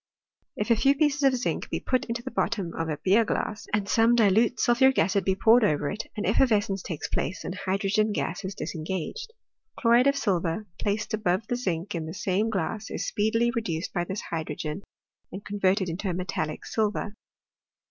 If a few pieces of zinc be put into the bottom of a beer glass and some dilute sulphuric acid be poured over it an effervescence takes place, and hydrogen gas is disengaged. Chlo ride of silver, placed above the zinc in the same glass, is speedily reduced by this hydrogen and con verted into metallic silver.